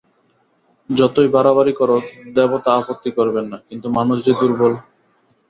যতই বাড়াবাড়ি করো দেবতা আপত্তি করবেন না, কিন্তু মানুষ যে দুর্বল।